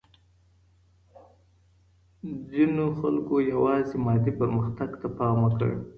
ځینو خلګو یوازې مادي پرمختګ ته پام وکړ.